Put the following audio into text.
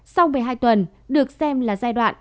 sau một mươi hai tuần được xem là giai đoạn